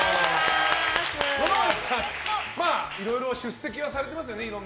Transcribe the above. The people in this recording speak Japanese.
野々村さん、いろいろ出席はされていますよね。